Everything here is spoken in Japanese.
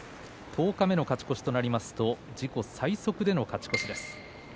十日目の勝ち越しとなりますと自己最速での勝ち越しです。